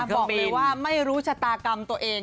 บอกเลยว่าไม่รู้ชะตากรรมตัวเอง